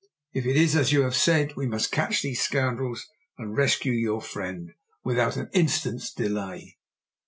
If it is as you have said, we must catch these scoundrels and rescue your friend without an instant's delay!"